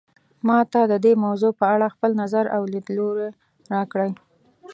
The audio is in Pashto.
ما ته د دې موضوع په اړه خپل نظر او لیدلوری راکړئ